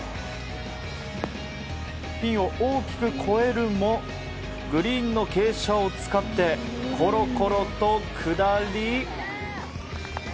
ピンを大きく越えるもグリーンの傾斜を使ってころころと下り。